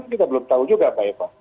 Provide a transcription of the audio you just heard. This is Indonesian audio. kita belum tahu juga mbak eva